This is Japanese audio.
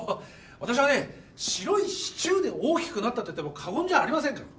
私はね白いシチューで大きくなったといっても過言じゃありませんから。